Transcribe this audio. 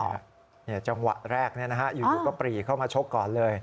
เนี่ยจังหวะแรกเนี่ยนะฮะอยู่อยู่ก็ปรีเข้ามาชกก่อนเลย